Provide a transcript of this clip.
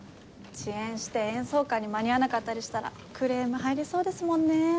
遅延して演奏会に間に合わなかったりしたらクレーム入りそうですもんねえ。